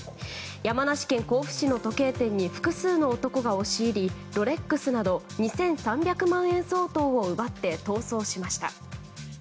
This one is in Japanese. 山梨県甲府市の時計店に複数の男が押し入りロレックスなど２３００万円相当を奪って逃走しました。